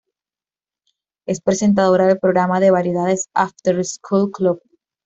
Es presentadora del programa de variedades "After School Club".